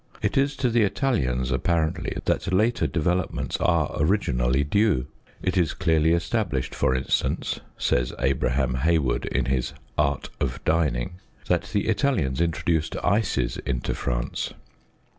It is to the Italians apparently that later developments are originally due. It is clearly established, for instance (says Abraham Hay ward in his Art of Dining), that the Italians introduced ices into France.